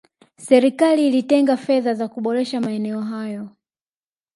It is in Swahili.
serikali itenge fedha za kuboresha maene hayo